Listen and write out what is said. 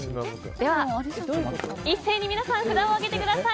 では、一斉に皆さん札を上げてください。